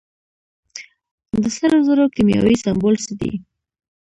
د سرو زرو کیمیاوي سمبول څه دی.